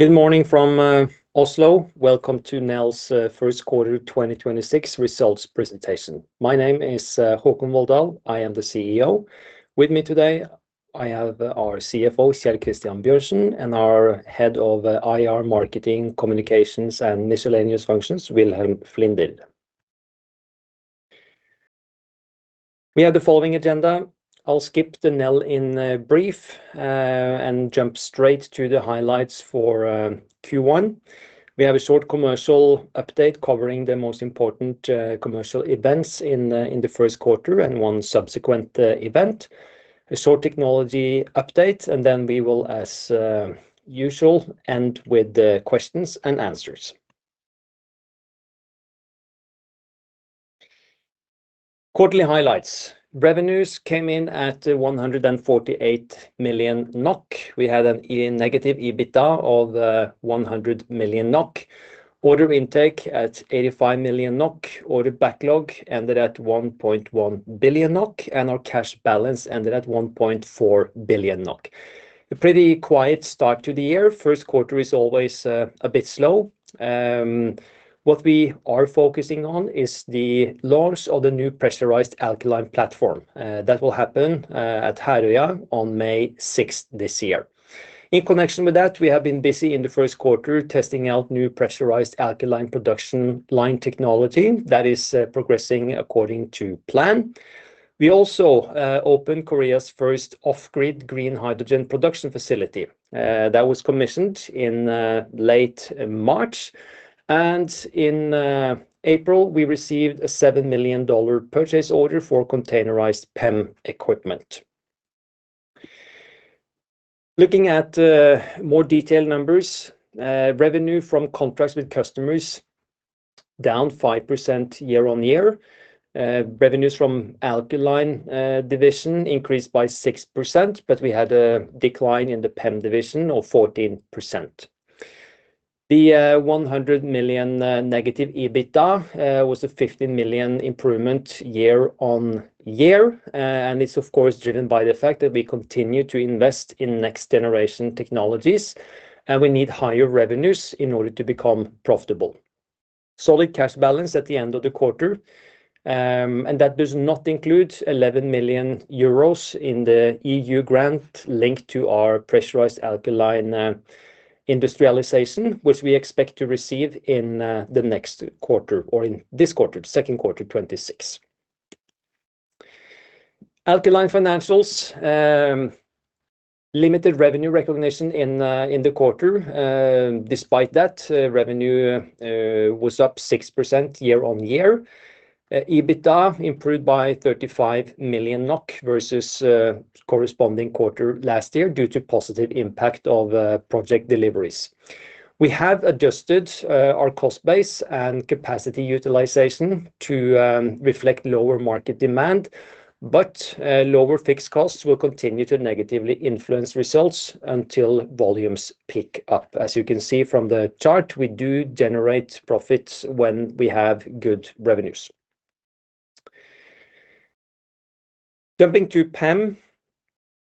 Good morning from Oslo. Welcome to Nel's first quarter 2026 results presentation. My name is Håkon Volldal. I am the CEO. With me today I have our CFO, Kjell Christian Bjørnsen, and our Head of IR, Marketing, Communications, and Miscellaneous Functions, Wilhelm Flinder. We have the following agenda. I'll skip the Nel in brief and jump straight to the highlights for Q1. We have a short commercial update covering the most important commercial events in the first quarter and one subsequent event. A short technology update, and then we will, as usual, end with the questions and answers. Quarterly highlights. Revenues came in at 148 million NOK. We had a negative EBITDA of 100 million NOK. Order intake at 85 million NOK. Order backlog ended at 1.1 billion NOK, and our cash balance ended at 1.4 billion NOK. A pretty quiet start to the year. First quarter is always a bit slow. What we are focusing on is the launch of the new pressurized alkaline platform. That will happen at Herøya on May 6th this year. In connection with that, we have been busy in the first quarter testing out new pressurized alkaline production line technology that is progressing according to plan. We also opened Korea's first off-grid green hydrogen production facility. That was commissioned in late March. In April, we received a $7 million purchase order for Containerized PEM equipment. Looking at more detailed numbers, revenue from contracts with customers down 5% year-over-year. Revenues from alkaline division increased by 6%, but we had a decline in the PEM division of 14%. The 100 million negative EBITDA was a 15 million improvement year-over-year. It's of course driven by the fact that we continue to invest in next-generation technologies, and we need higher revenues in order to become profitable. Solid cash balance at the end of the quarter. That does not include 11 million euros in the EU grant linked to our pressurized alkaline industrialization, which we expect to receive in the next quarter or in this quarter, second quarter 2026. Alkaline financials. Limited revenue recognition in the quarter. Despite that, revenue was up 6% year-over-year. EBITDA improved by 35 million NOK versus corresponding quarter last year due to positive impact of project deliveries. We have adjusted our cost base and capacity utilization to reflect lower market demand, but lower fixed costs will continue to negatively influence results until volumes pick up. As you can see from the chart, we do generate profits when we have good revenues. Jumping to PEM.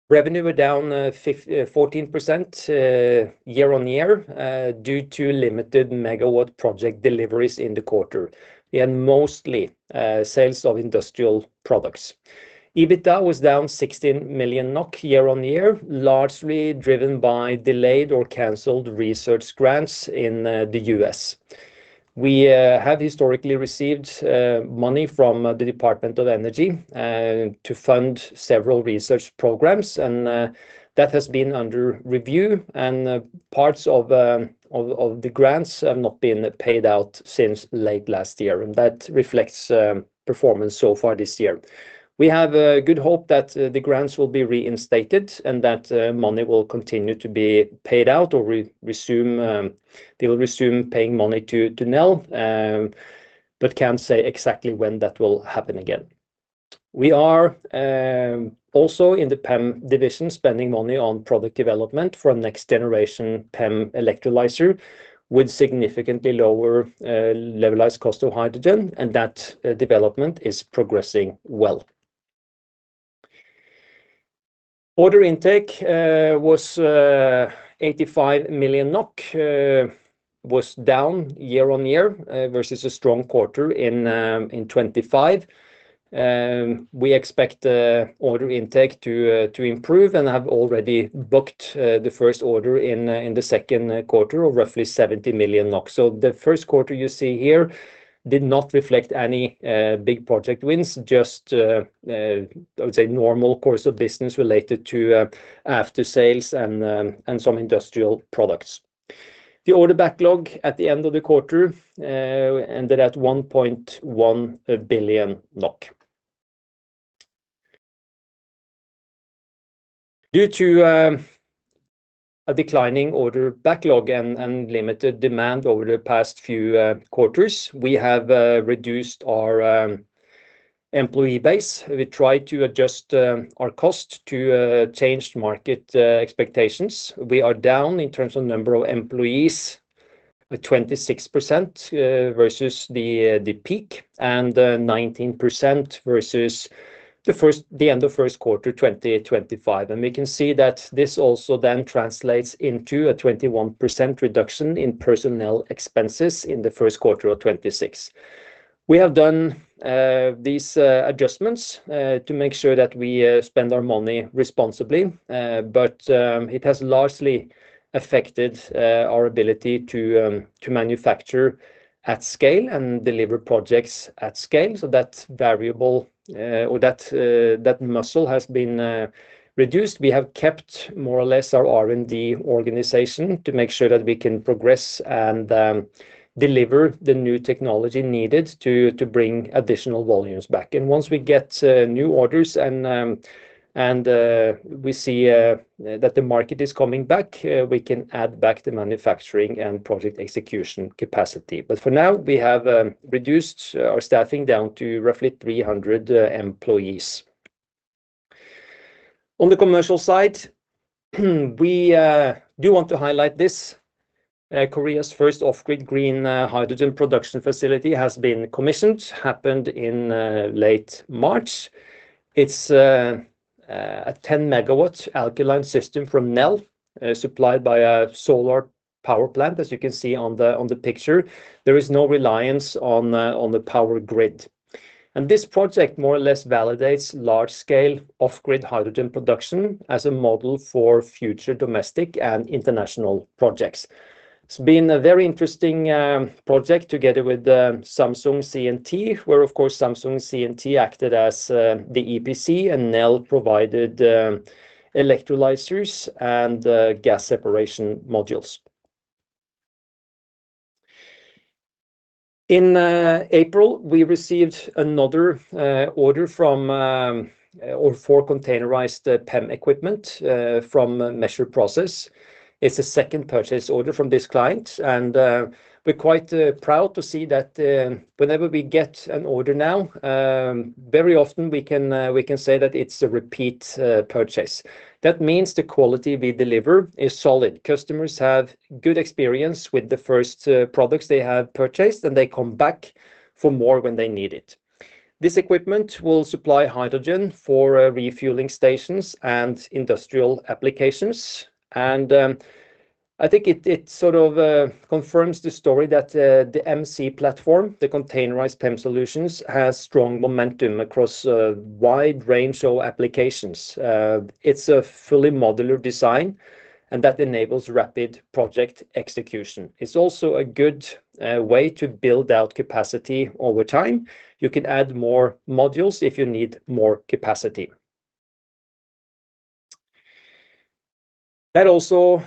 Revenue down 14% year-over-year due to limited megawatt project deliveries in the quarter, and mostly sales of industrial products. EBITDA was down 16 million NOK year-over-year, largely driven by delayed or canceled research grants in the U.S. We have historically received money from the U.S. Department of Energy to fund several research programs, and that has been under review, and parts of the grants have not been paid out since late last year, and that reflects performance so far this year. We have a good hope that the grants will be reinstated and that money will continue to be paid out or they will resume paying money to Nel, but can't say exactly when that will happen again. We are also, in the PEM division, spending money on product development for a next generation PEM electrolyzer with significantly lower levelized cost of hydrogen, and that development is progressing well. Order intake was 85 million NOK, was down year-on-year versus a strong quarter in 2025. We expect order intake to improve and have already booked the first order in the second quarter of roughly 70 million NOK. The first quarter you see here did not reflect any big project wins, just, I would say, normal course of business related to aftersales and some industrial products. The order backlog at the end of the quarter ended at 1.1 billion NOK. Due to a declining order backlog and limited demand over the past few quarters, we have reduced our employee base. We tried to adjust our cost to changed market expectations. We are down in terms of number of employees 26% versus the peak, and 19% versus the end of first quarter 2025. We can see that this also then translates into a 21% reduction in personnel expenses in the first quarter of 2026. We have done these adjustments to make sure that we spend our money responsibly, but it has largely affected our ability to manufacture at scale and deliver projects at scale. That variable or that muscle has been reduced. We have kept more or less our R&D organization to make sure that we can progress and deliver the new technology needed to bring additional volumes back. Once we get new orders and we see that the market is coming back, we can add back the manufacturing and project execution capacity. For now, we have reduced our staffing down to roughly 300 employees. On the commercial side, we do want to highlight this. Korea's first off-grid green hydrogen production facility has been commissioned, happened in late March. It's a 10 MW alkaline system from Nel, supplied by a solar power plant, as you can see on the picture. There is no reliance on the power grid. This project more or less validates large-scale off-grid hydrogen production as a model for future domestic and international projects. It's been a very interesting project together with Samsung C&T, where, of course, Samsung C&T acted as the EPC and Nel provided electrolyzers and gas separation modules. In April, we received another order for Containerized PEM equipment from Messer process. It's the second purchase order from this client, and we're quite proud to see that whenever we get an order now, very often we can say that it's a repeat purchase. That means the quality we deliver is solid. Customers have good experience with the first products they have purchased, and they come back for more when they need it. This equipment will supply hydrogen for refueling stations and industrial applications. I think it sort of confirms the story that the MC platform, the Containerized PEM solutions, has strong momentum across a wide range of applications. It's a fully modular design, and that enables rapid project execution. It's also a good way to build out capacity over time. You can add more modules if you need more capacity. That also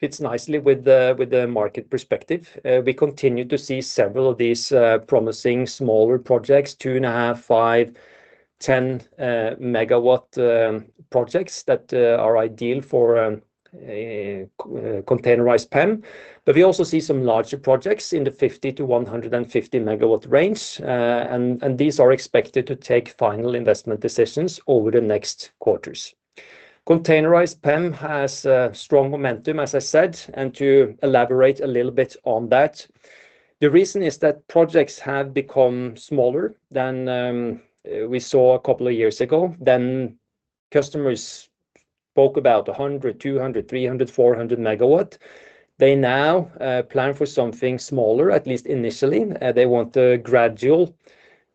fits nicely with the market perspective. We continue to see several of these promising smaller projects, 2.5 MW, 10 MW projects that are ideal for a Containerized PEM. We also see some larger projects in the 50 MW-150 MW range. These are expected to take Final Investment Decisions over the next quarters. Containerized PEM has strong momentum, as I said, and to elaborate a little bit on that. The reason is that projects have become smaller than we saw a couple of years ago. Then customers spoke about 100 MW, 200 MW, 300 MW, 400 MW. They now plan for something smaller, at least initially. They want a gradual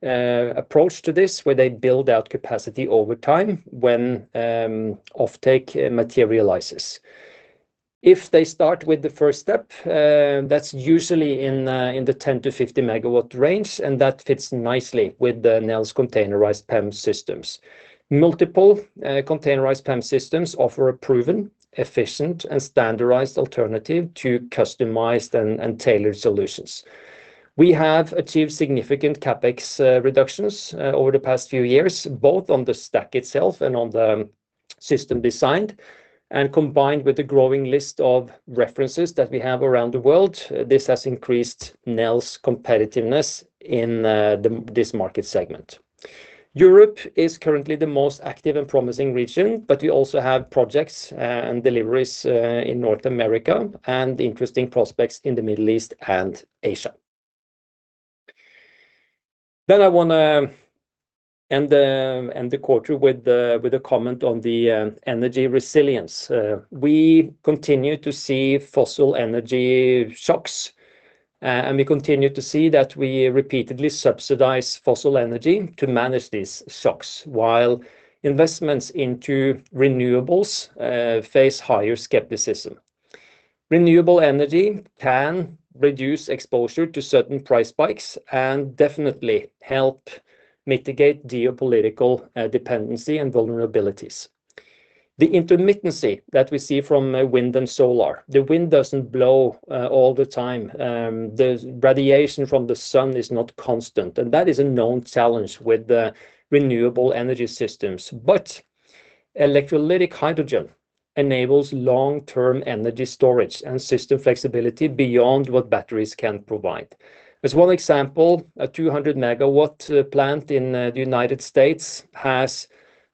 approach to this, where they build out capacity over time when offtake materializes. If they start with the first step, that's usually in the 10 MW-50 MW range, and that fits nicely with Nel's Containerized PEM systems. Multiple Containerized PEM systems offer a proven, efficient, and standardized alternative to customized and tailored solutions. We have achieved significant CapEx reductions over the past few years, both on the stack itself and on the system design, and combined with the growing list of references that we have around the world, this has increased Nel's competitiveness in this market segment. Europe is currently the most active and promising region, but we also have projects and deliveries in North America and interesting prospects in the Middle East and Asia. I want to end the quarter with a comment on the energy resilience. We continue to see fossil energy shocks, and we continue to see that we repeatedly subsidize fossil energy to manage these shocks while investments into renewables face higher skepticism. Renewable energy can reduce exposure to certain price spikes and definitely help mitigate geopolitical dependency and vulnerabilities. The intermittency that we see from wind and solar, the wind doesn't blow all the time. The radiation from the sun is not constant, and that is a known challenge with the renewable energy systems. Electrolytic hydrogen enables long-term energy storage and system flexibility beyond what batteries can provide. As one example, a 200-MW plant in the United States has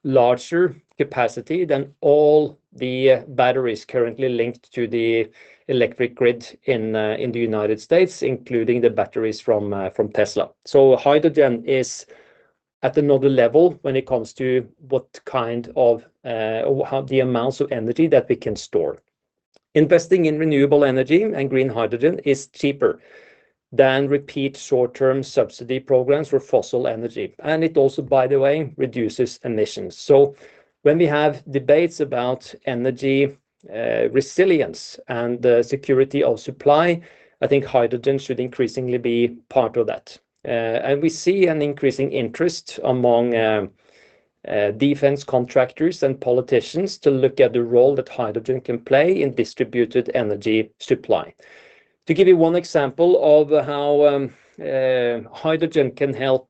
larger capacity than all the batteries currently linked to the electric grid in the United States, including the batteries from Tesla. Hydrogen is at another level when it comes to the amounts of energy that we can store. Investing in renewable energy and green hydrogen is cheaper than repeat short-term subsidy programs for fossil energy. It also, by the way, reduces emissions. When we have debates about energy resilience and the security of supply, I think hydrogen should increasingly be part of that. We see an increasing interest among defense contractors and politicians to look at the role that hydrogen can play in distributed energy supply. To give you one example of how hydrogen can help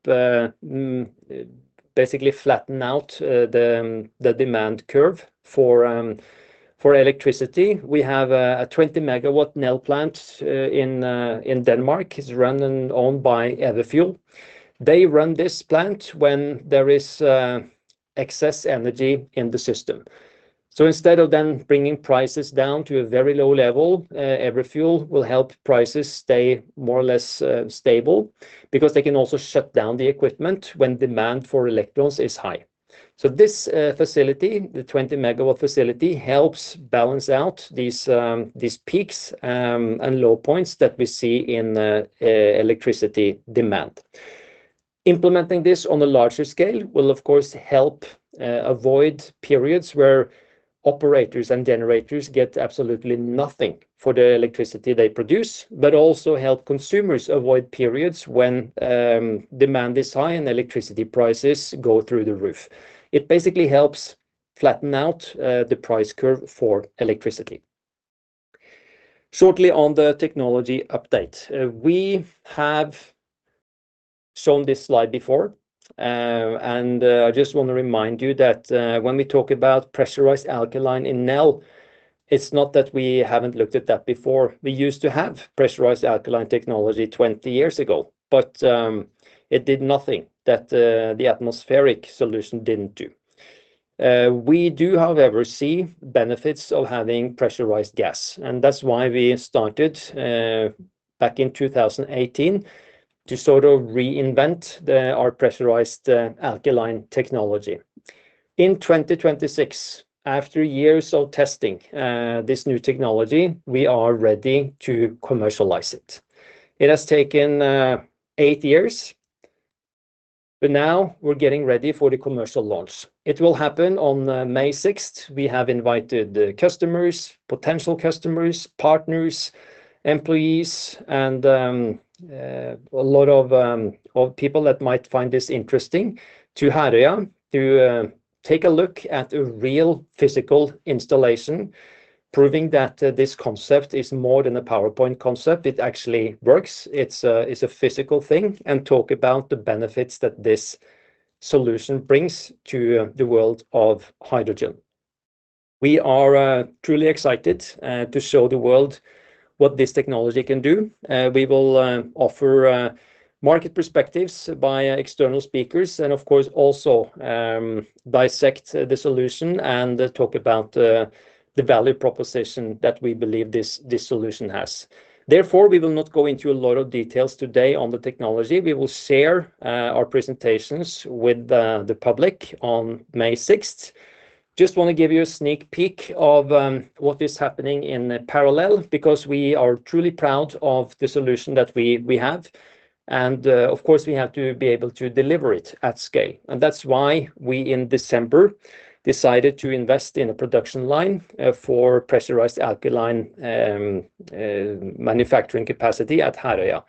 basically flatten out the demand curve for electricity, we have a 20-MW Nel plant in Denmark. It's run and owned by Everfuel. They run this plant when there is excess energy in the system. Instead of then bringing prices down to a very low level, Everfuel will help prices stay more or less stable because they can also shut down the equipment when demand for electrons is high. This facility, the 20-MW facility, helps balance out these peaks and low points that we see in electricity demand. Implementing this on a larger scale will, of course, help avoid periods where operators and generators get absolutely nothing for the electricity they produce, but also help consumers avoid periods when demand is high and electricity prices go through the roof. It basically helps flatten out the price curve for electricity. Shortly on the technology update. We have shown this slide before. I just want to remind you that when we talk about pressurized alkaline in Nel, it's not that we haven't looked at that before. We used to have pressurized alkaline technology 20 years ago, but it did nothing that the atmospheric alkaline didn't do. We do, however, see benefits of having pressurized gas, and that's why we started back in 2018 to sort of reinvent our pressurized alkaline technology. In 2026, after years of testing this new technology, we are ready to commercialize it. It has taken eight years, but now we're getting ready for the commercial launch. It will happen on May 6th. We have invited customers, potential customers, partners, employees, and a lot of people that might find this interesting to Herøya to take a look at a real physical installation, proving that this concept is more than a PowerPoint concept. It actually works. It's a physical thing, and talk about the benefits that this solution brings to the world of hydrogen. We are truly excited to show the world what this technology can do. We will offer market perspectives by external speakers and, of course, also dissect the solution and talk about the value proposition that we believe this solution has. Therefore, we will not go into a lot of details today on the technology. We will share our presentations with the public on May 6th. Just want to give you a sneak peek of what is happening in parallel because we are truly proud of the solution that we have. Of course, we have to be able to deliver it at scale. That's why we in December decided to invest in a production line for pressurized alkaline manufacturing capacity at Herøya.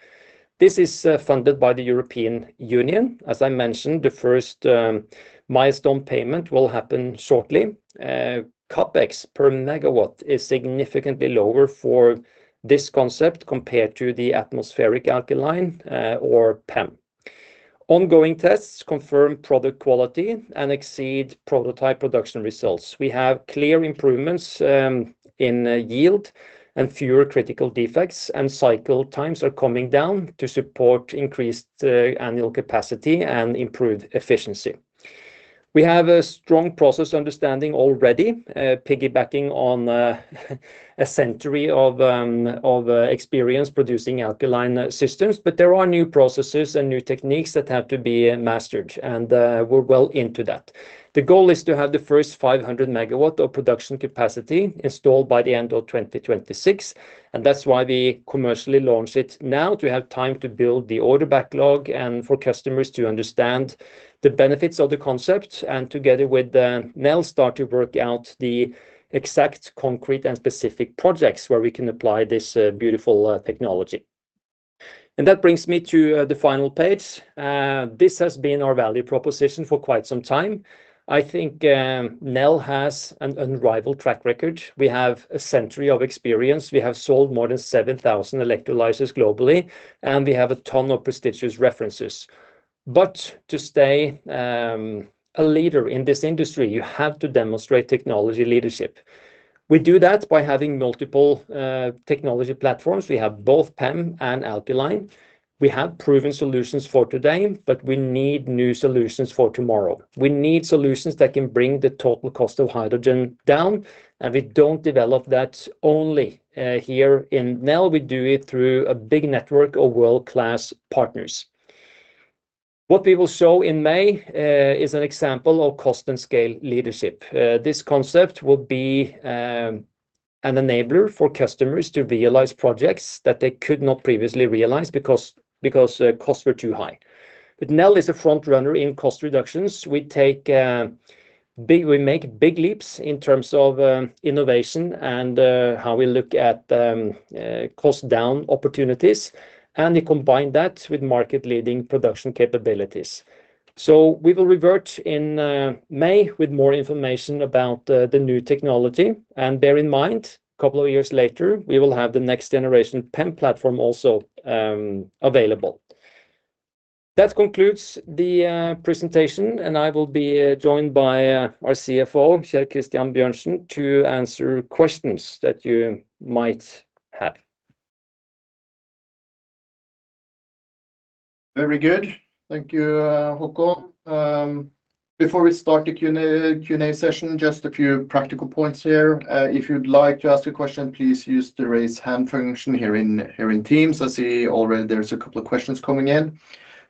This is funded by the European Union. As I mentioned, the first milestone payment will happen shortly. CapEx per megawatt is significantly lower for this concept compared to the atmospheric alkaline or PEM. Ongoing tests confirm product quality and exceed prototype production results. We have clear improvements in yield and fewer critical defects, and cycle times are coming down to support increased annual capacity and improved efficiency. We have a strong process understanding already, piggybacking on a century of experience producing alkaline systems, but there are new processes and new techniques that have to be mastered, and we're well into that. The goal is to have the first 500 MW of production capacity installed by the end of 2026, and that's why we commercially launch it now to have time to build the order backlog and for customers to understand the benefits of the concept and together with Nel start to work out the exact concrete and specific projects where we can apply this beautiful technology. That brings me to the final page. This has been our value proposition for quite some time. I think Nel has an unrivaled track record. We have a century of experience. We have sold more than 7,000 electrolyzers globally, and we have a ton of prestigious references. To stay a leader in this industry, you have to demonstrate technology leadership. We do that by having multiple technology platforms. We have both PEM and alkaline. We have proven solutions for today, but we need new solutions for tomorrow. We need solutions that can bring the total cost of hydrogen down, and we don't develop that only here in Nel. We do it through a big network of world-class partners. What we will show in May is an example of cost and scale leadership. This concept will be an enabler for customers to realize projects that they could not previously realize because costs were too high. Nel is a frontrunner in cost reductions. We make big leaps in terms of innovation and how we look at cost down opportunities, and we combine that with market-leading production capabilities. We will revert in May with more information about the new technology. Bear in mind, a couple of years later, we will have the next generation PEM platform also available. That concludes the presentation, and I will be joined by our CFO, Kjell Christian Bjørnsen, to answer questions that you might have. Very good. Thank you, Håkon. Before we start the Q&A session, just a few practical points here. If you'd like to ask a question, please use the raise hand function here in Teams. I see already there's a couple of questions coming in.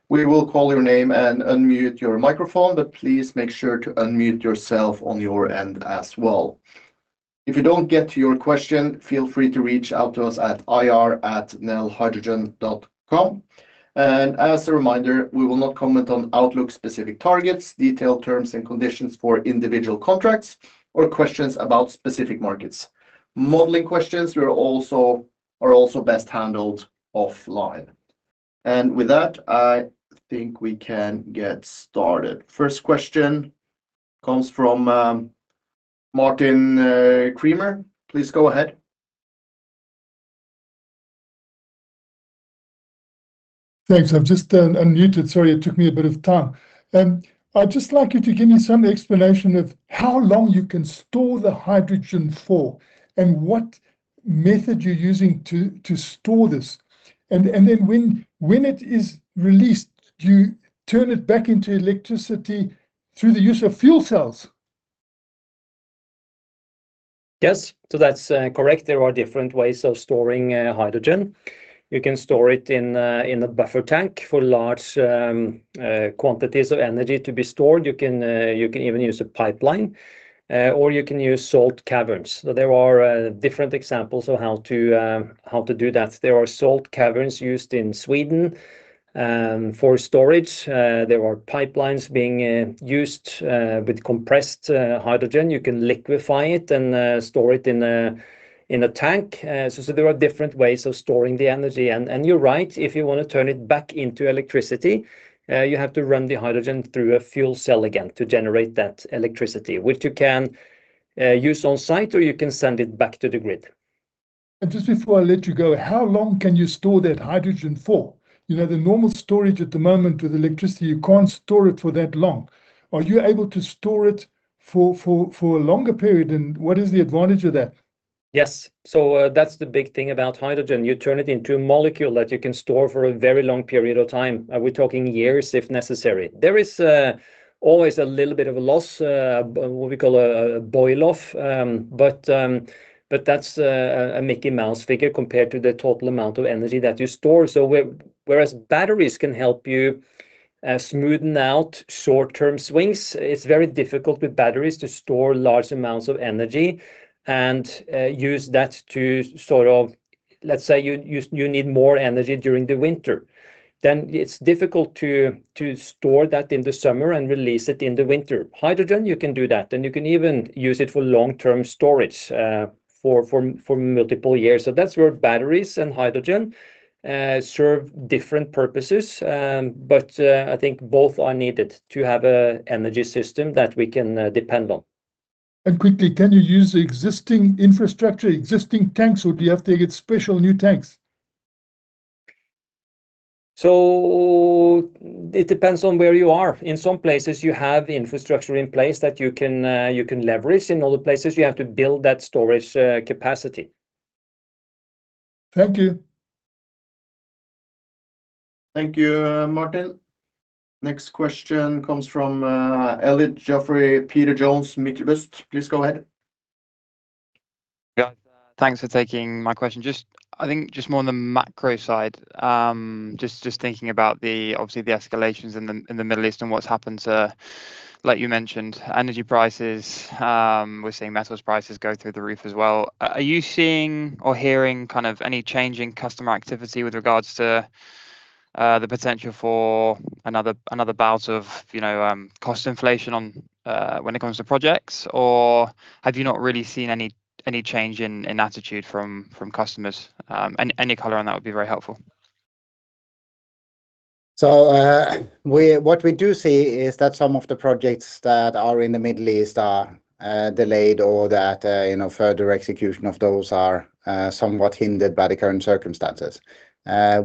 We will call your name and unmute your microphone, but please make sure to unmute yourself on your end as well. If you don't get to your question, feel free to reach out to us at ir@nelhydrogen.com. As a reminder, we will not comment on outlook-specific targets, detailed terms and conditions for individual contracts, or questions about specific markets. Modeling questions are also best handled offline. With that, I think we can get started. First question comes from Martin Creamer. Please go ahead. Thanks. I've just unmuted. Sorry, it took me a bit of time. I'd just like you to give me some explanation of how long you can store the hydrogen for and what method you're using to store this? When it is released, do you turn it back into electricity through the use of fuel cells? Yes, that's correct. There are different ways of storing hydrogen. You can store it in a buffer tank for large quantities of energy to be stored. You can even use a pipeline, or you can use salt caverns, so there are different examples of how to do that. There are salt caverns used in Sweden for storage. There are pipelines being used with compressed hydrogen. You can liquefy it and store it in a tank. There are different ways of storing the energy. You're right, if you want to turn it back into electricity, you have to run the hydrogen through a fuel cell again to generate that electricity, which you can use on-site, or you can send it back to the grid. Just before I let you go, how long can you store that hydrogen for? The normal storage at the moment with electricity, you can't store it for that long. Are you able to store it for a longer period, and what is the advantage of that? Yes. That's the big thing about hydrogen. You turn it into a molecule that you can store for a very long period of time. We're talking years if necessary. There is always a little bit of a loss, what we call a boil-off, but that's a Mickey Mouse figure compared to the total amount of energy that you store. Whereas batteries can help you smoothen out short-term swings. It's very difficult with batteries to store large amounts of energy and use that to sort of, let's say you need more energy during the winter. Then it's difficult to store that in the summer and release it in the winter. Hydrogen, you can do that, and you can even use it for long-term storage for multiple years. That's where batteries and hydrogen serve different purposes, but I think both are needed to have an energy system that we can depend on. Quickly, can you use the existing infrastructure, existing tanks, or do you have to get special new tanks? It depends on where you are. In some places, you have infrastructure in place that you can leverage. In other places, you have to build that storage capacity. Thank you. Thank you, Martin. Next question comes from Elliott Geoffrey Peter Jones from Danske Bank. Please go ahead. Yeah. Thanks for taking my question. I think just more on the macro side, just thinking about obviously the escalations in the Middle East and what's happened to, like you mentioned, energy prices. We're seeing metals prices go through the roof as well. Are you seeing or hearing any change in customer activity with regards to the potential for another bout of cost inflation when it comes to projects? Or have you not really seen any change in attitude from customers? Any color on that would be very helpful. What we do see is that some of the projects that are in the Middle East are delayed or that further execution of those are somewhat hindered by the current circumstances.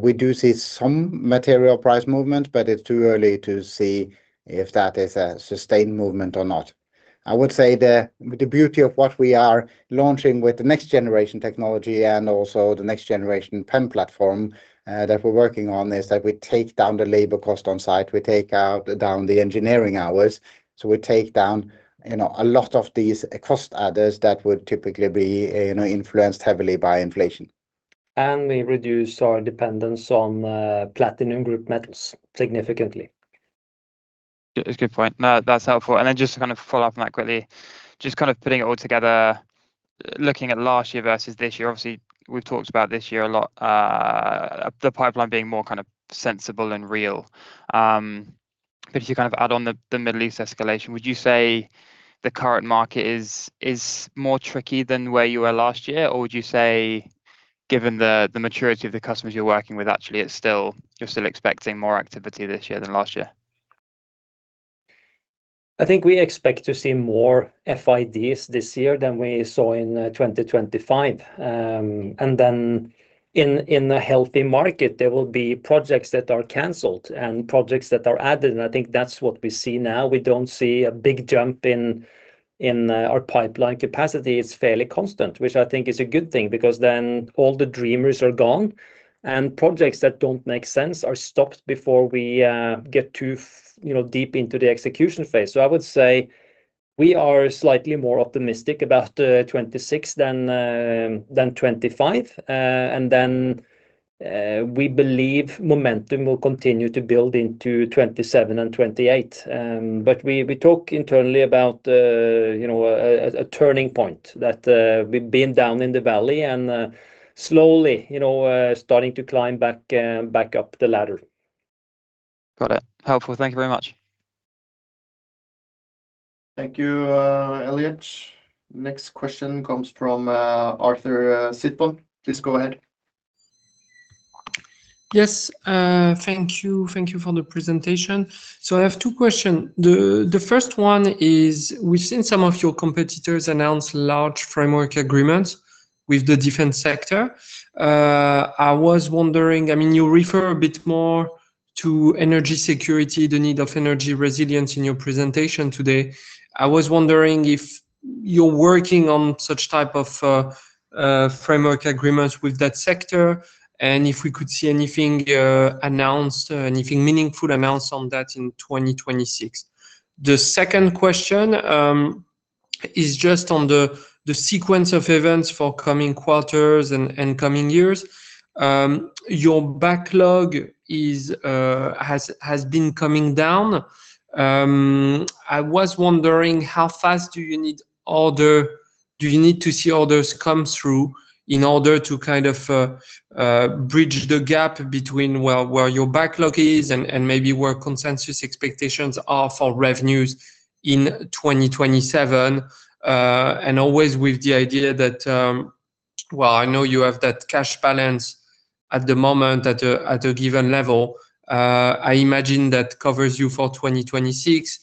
We do see some material price movement, but it's too early to see if that is a sustained movement or not. I would say the beauty of what we are launching with the next-generation technology and also the next-generation PEM platform that we're working on, is that we take down the labor cost on site. We take down the engineering hours. We take down a lot of these cost adders that would typically be influenced heavily by inflation. We reduce our dependence on platinum group metals significantly. That's a good point. No, that's helpful. Then just to follow up on that quickly, just kind of putting it all together, looking at last year versus this year, obviously we've talked about this year a lot, the pipeline being more kind of sensible and real. If you add on the Middle East escalation, would you say the current market is more tricky than where you were last year? Would you say, given the maturity of the customers you're working with, actually you're still expecting more activity this year than last year? I think we expect to see more FIDs this year than we saw in 2025. In the healthy market, there will be projects that are canceled and projects that are added, and I think that's what we see now. We don't see a big jump in our pipeline capacity. It's fairly constant, which I think is a good thing, because then all the dreamers are gone, and projects that don't make sense are stopped before we get too deep into the execution phase. I would say we are slightly more optimistic about 2026 than 2025. We believe momentum will continue to build into 2027 and 2028. We talk internally about a turning point that we've been down in the valley and slowly starting to climb back up the ladder. Got it. Helpful. Thank you very much. Thank you, Elliott. Next question comes from Arthur Sitbon. Please go ahead. Yes. Thank you. Thank you for the presentation. I have two questions. The first one is, we've seen some of your competitors announce large framework agreements with the defense sector. I was wondering, you refer a bit more to energy security, the need of energy resilience in your presentation today. I was wondering if you're working on such type of framework agreements with that sector, and if we could see anything meaningful announced on that in 2026. The second question is just on the sequence of events for coming quarters and coming years. Your backlog has been coming down. I was wondering, how fast do you need to see orders come through in order to kind of bridge the gap between where your backlog is, and maybe where consensus expectations are for revenues in 2027? Always with the idea that, while I know you have that cash balance at the moment at a given level, I imagine that covers you for 2026.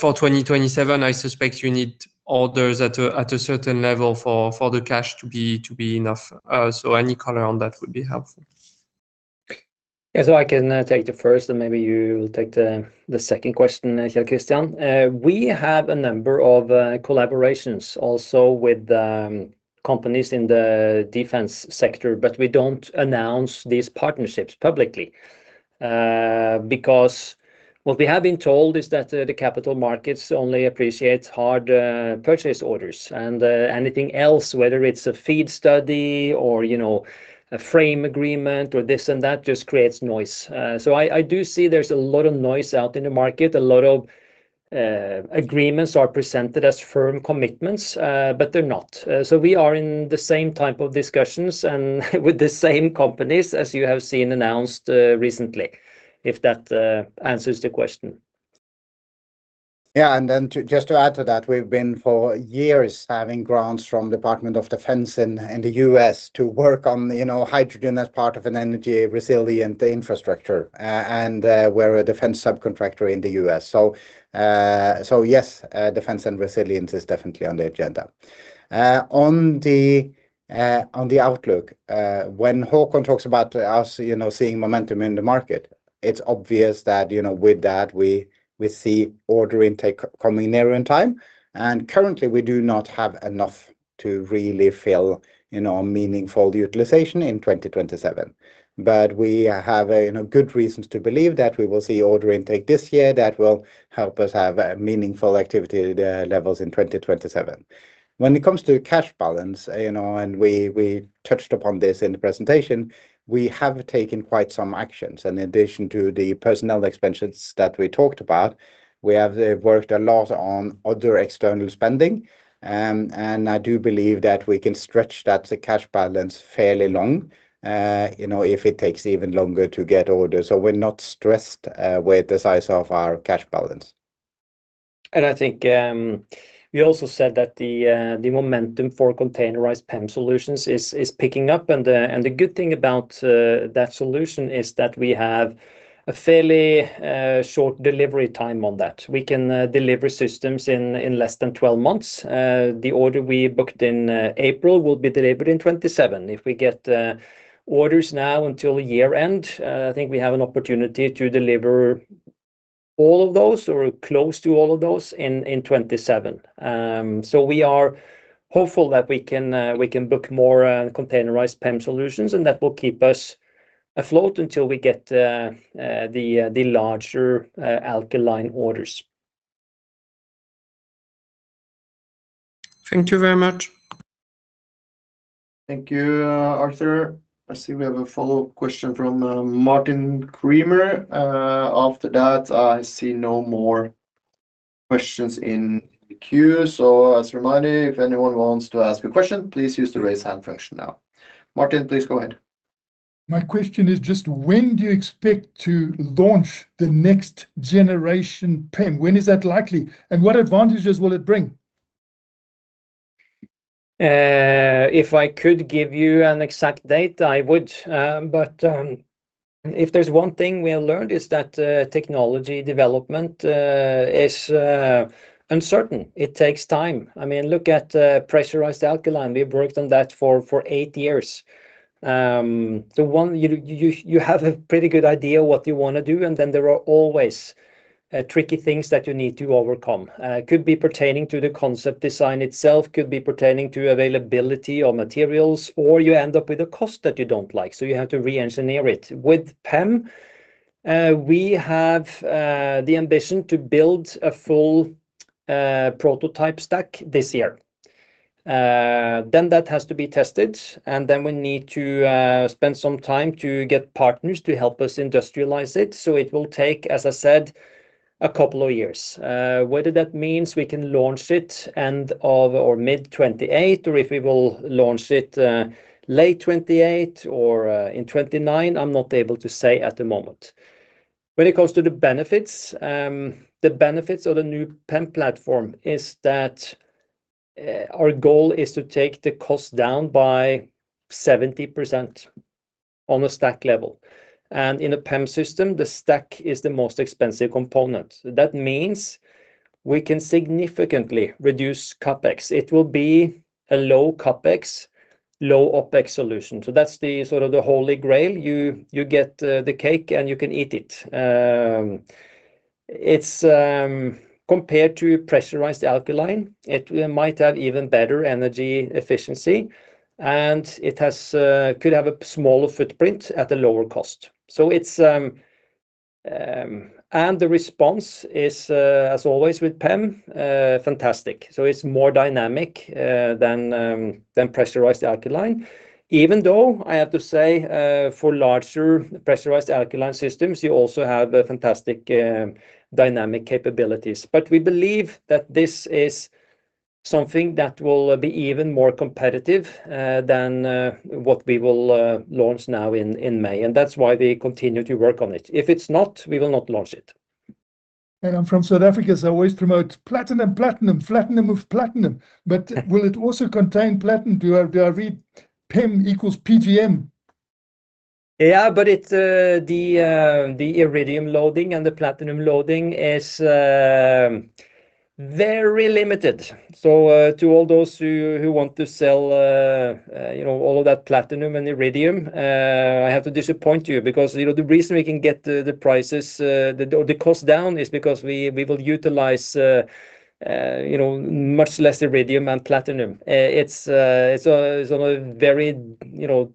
For 2027, I suspect you need orders at a certain level for the cash to be enough. Any color on that would be helpful. Yeah. I can take the first and maybe you will take the second question, Kjell Christian. We have a number of collaborations also with companies in the defense sector, but we don't announce these partnerships publicly. Because what we have been told is that the capital markets only appreciate hard purchase orders and anything else, whether it's a FEED study or a frame agreement or this and that, just creates noise. I do see there's a lot of noise out in the market. A lot of agreements are presented as firm commitments, but they're not. We are in the same type of discussions and with the same companies as you have seen announced recently, if that answers the question. Yeah. Then just to add to that, we've been for years having grants from U.S. Department of Defense in the U.S. to work on hydrogen as part of an energy resilient infrastructure. We're a defense subcontractor in the U.S. Yes, defense and resilience is definitely on the agenda. On the outlook, when Håkon talks about us seeing momentum in the market, it's obvious that with that, we see order intake coming there in time. Currently, we do not have enough to really fill meaningful utilization in 2027. We have good reasons to believe that we will see order intake this year that will help us have meaningful activity levels in 2027. When it comes to cash balance, and we touched upon this in the presentation, we have taken quite some actions. In addition to the personnel expansions that we talked about, we have worked a lot on other external spending. I do believe that we can stretch that cash balance fairly long, if it takes even longer to get orders. We're not stressed with the size of our cash balance. I think you also said that the momentum for Containerized PEM solutions is picking up. The good thing about that solution is that we have a fairly short delivery time on that. We can deliver systems in less than 12 months. The order we booked in April will be delivered in 2027. If we get orders now until year-end, I think we have an opportunity to deliver all of those or close to all of those in 2027. We are hopeful that we can book more Containerized PEM solutions, and that will keep us afloat until we get the larger alkaline orders. Thank you very much. Thank you, Arthur. I see we have a follow-up question from Martin Creamer. After that, I see no more questions in the queue. As a reminder, if anyone wants to ask a question, please use the raise hand function now. Martin, please go ahead. My question is just when do you expect to launch the next generation PEM? When is that likely? And what advantages will it bring? If I could give you an exact date, I would. If there's one thing we have learned, it's that technology development is uncertain. It takes time. Look at pressurized alkaline. We've worked on that for eight years. You have a pretty good idea what you want to do, and then there are always tricky things that you need to overcome. Could be pertaining to the concept design itself, could be pertaining to availability of materials, or you end up with a cost that you don't like, so you have to re-engineer it. With PEM, we have the ambition to build a full prototype stack this year. That has to be tested, and then we need to spend some time to get partners to help us industrialize it. It will take, as I said, a couple of years. Whether that means we can launch it end of 2028 or mid-2028, or if we will launch it late 2028 or in 2029, I'm not able to say at the moment. When it comes to the benefits, the benefits of the new PEM platform is that our goal is to take the cost down by 70% on a stack level. In a PEM system, the stack is the most expensive component. That means we can significantly reduce CapEx. It will be a low CapEx, low OpEx solution. That's the sort of the holy grail. You get the cake, and you can eat it. Compared to pressurized alkaline, it might have even better energy efficiency, and it could have a smaller footprint at a lower cost. The response is, as always with PEM, fantastic. It's more dynamic than pressurized alkaline. Even though I have to say, for larger pressurized alkaline systems, you also have fantastic dynamic capabilities. We believe that this is something that will be even more competitive than what we will launch now in May, and that's why we continue to work on it. If it's not, we will not launch it. I'm from South Africa, so I always promote platinum with platinum. Will it also contain platinum? Do I read PEM equals PGM? Yeah, the iridium loading and the platinum loading is very limited. To all those who want to sell all of that platinum and iridium, I have to disappoint you because the reason we can get the cost down is because we will utilize much less iridium and platinum. It's on a very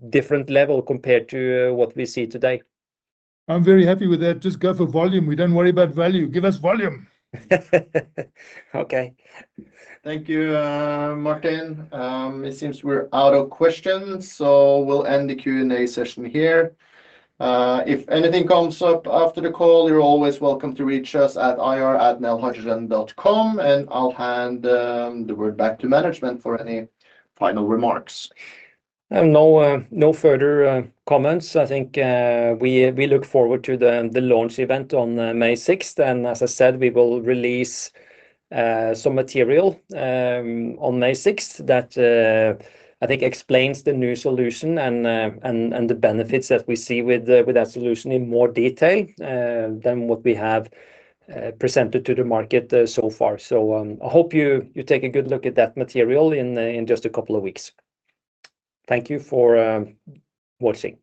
different level compared to what we see today. I'm very happy with that. Just go for volume. We don't worry about value. Give us volume. Okay. Thank you, Martin. It seems we're out of questions, so we'll end the Q&A session here. If anything comes up after the call, you're always welcome to reach us at ir@nelhydrogen.com, and I'll hand the word back to management for any final remarks. No further comments. I think we look forward to the launch event on May 6th. As I said, we will release some material on May 6th that I think explains the new solution and the benefits that we see with that solution in more detai. Than what we have presented to the market so far. I hope you take a good look at that material in just a couple of weeks. Thank you for watching.